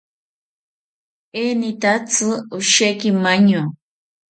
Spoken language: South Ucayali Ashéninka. Enitatzi osheki maño